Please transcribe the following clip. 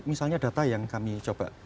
misalnya data yang kami coba